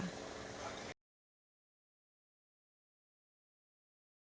jangan lupa like share dan subscribe ya